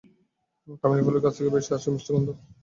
কামিনী ফুলের গাছ থেকে ভেসে আসছে মিষ্টি গন্ধ।